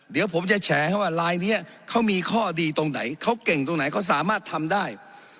เดี๋ยวผมจะแฉให้ว่าลายนี้เขามีข้อดีตรงไหนเขาเก่งตรงไหนเขาสามารถทำได้